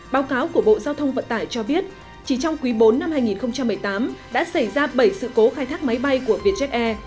báo cáo của bộ giao thông vận tải cho biết chỉ trong quý bốn năm hai nghìn một mươi tám đã xảy ra bảy sự cố khai thác máy bay của vietjet air